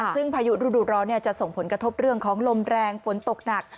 ซึ่งพายุฤดูร้อนจะส่งผลกระทบเรื่องของลมแรงฝนตกหนัก